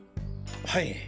はい。